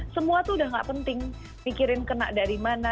semua tuh udah gak penting mikirin kena dari mana